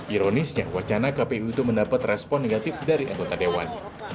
ironisnya wacana kpu itu mendapat respon negatif dari anggota dewan